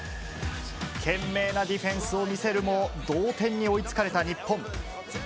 懸命なディフェンスを見せるも、同点に追いつかれた日本。